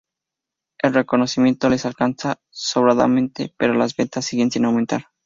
El reconocimiento les alcanza sobradamente pero las ventas siguen sin aumentar.